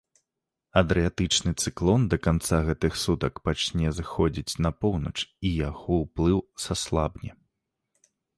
Адрыятычны цыклон да канца гэтых сутак пачне сыходзіць на поўнач і яго ўплыў саслабне.